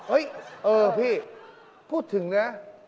เออพี่พูดถึงนะ